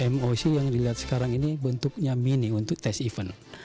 moc yang dilihat sekarang ini bentuknya mini untuk tes event